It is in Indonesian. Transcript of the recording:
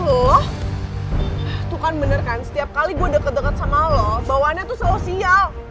bukan bener kan setiap kali gue deket deket sama lo bawaannya tuh selalu sial